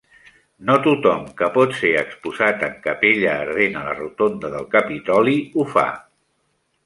No tothom que pot ser exposat en capella ardent a la Rotonda del Capitoli ho fa.